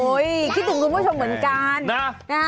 คิดถึงคุณผู้ชมเหมือนกัน